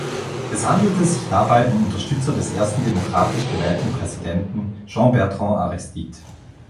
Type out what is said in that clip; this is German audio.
Es handelte sich dabei um Unterstützer des ersten demokratisch gewählten Präsidenten Jean-Bertrand Aristide.